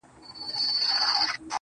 د تکراري حُسن چيرمني هر ساعت نوې یې~